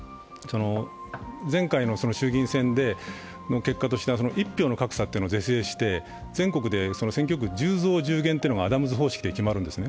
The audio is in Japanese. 前回の衆議院選の結果として１票の格差を是正して、全国で選挙区１０増１０減というのがアダムズ方式でいくんですね